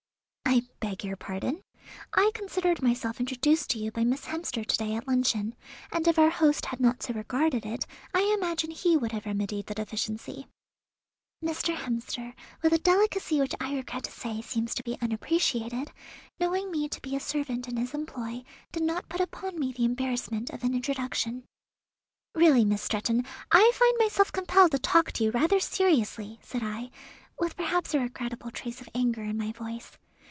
"I beg your pardon. I considered myself introduced to you by Miss Hemster to day at luncheon; and if our host had not so regarded it, I imagine he would have remedied the deficiency." "Mr. Hemster, with a delicacy which I regret to say seems to be unappreciated, knowing me to be a servant in his employ, did not put upon me the embarrassment of an introduction." "Really, Miss Stretton, I find myself compelled to talk to you rather seriously," said I, with perhaps a regrettable trace of anger in my voice.